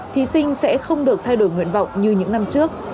thí sinh sẽ không được thay đổi nguyện vọng như những năm trước